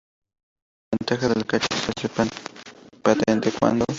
La ventaja del cache se hace patente cuándo.